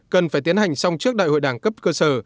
cần phải tiến hành xong trước đại hội đảng cấp cơ sở